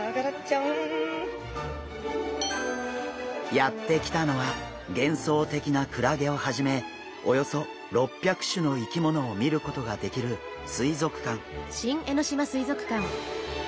やって来たのは幻想的なクラゲをはじめおよそ６００種の生き物を見ることができる水族館。